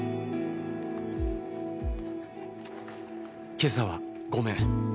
「今朝は、ごめん。